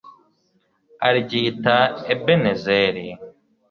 aryita ebenezeri